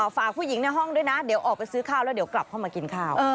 ฝากผู้หญิงในห้องด้วยนะเดี๋ยวออกไปซื้อข้าวแล้วเดี๋ยวกลับเข้ามากินข้าว